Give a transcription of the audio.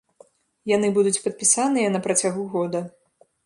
Яны будуць падпісаныя на працягу года.